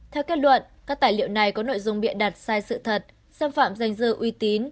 theo kết luận các tài liệu này có nội dung bịa đặt sai sự thật xâm phạm danh dự uy tín